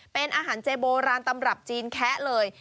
เป็นอาหารเจโบราณตำรับจีนแคะเลย